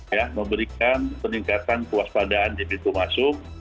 ya memberikan peningkatan kewaspadaan di pintu masuk